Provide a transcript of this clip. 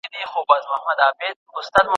موږ کيسۍ حل کوو.